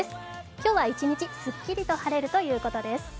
今日は一日すっきりと晴れるということです。